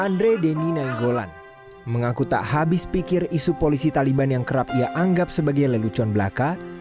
andre denny nainggolan mengaku tak habis pikir isu polisi taliban yang kerap ia anggap sebagai lelucon belaka